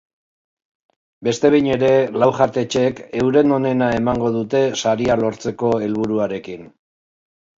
Beste behin ere, lau jatetxek euren onena emango dute saria lortzeko helburuarekin.